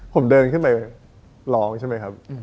ผมเดินขึ้นไปร้องใช่ไหมครับ